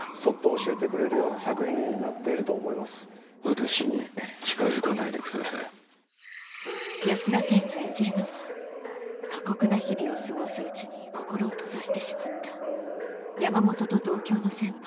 私に近づかないでください安田顕が演じるのは過酷な日々を過ごすうちに心を閉ざしてしまった山本と同郷の先輩